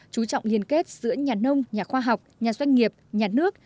chú trọng liên kết giữa nhà nông nhà khoa học nhà doanh nghiệp nhà nước